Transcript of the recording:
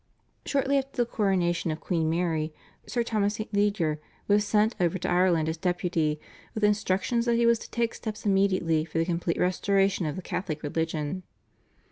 Shortly after the coronation of Queen Mary Sir Thomas St. Leger was sent over to Ireland as Deputy with instructions that he was to take steps immediately for the complete restoration of the Catholic religion.